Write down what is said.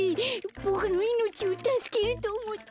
ボクのいのちをたすけるとおもって！